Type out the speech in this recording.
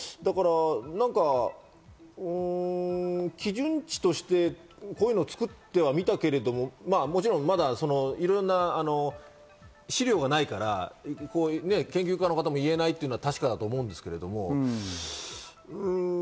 基準値としてこういうのを作ってはみたけれどももちろんまだいろんな資料がないから研究家の方も言えないっていうの確かだと思うんですけれど。